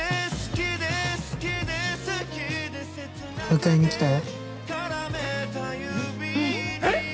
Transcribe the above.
迎えに来たよ。